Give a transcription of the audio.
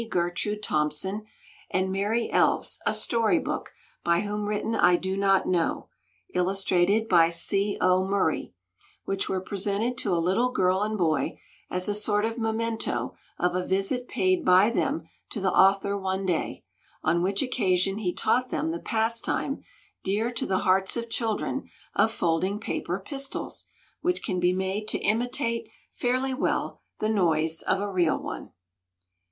Gertrude Thomson, and Merry Elves, a story book, by whom written I do not know, illustrated by C. O. Murray which were presented to a little girl and boy, as a sort of memento of a visit paid by them to the author one day, on which occasion he taught them the pastime dear to the hearts of children of folding paper "pistols," which can be made to imitate, fairly well, the noise of a real one.